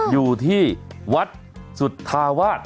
อยู่ที่วัดสุธาวาส